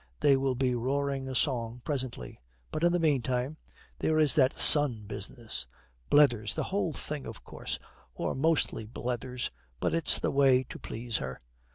They will be roaring a song presently. But in the meantime there is that son business. Blethers, the whole thing, of course or mostly blethers. But it's the way to please her.